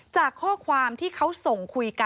จากข้อความที่เขา